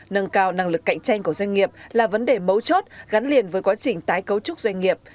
nâng cao năng lực cạnh tranh của doanh nghiệp là vấn đề mấu chốt gắn liền với quá trình tái cấu trúc doanh nghiệp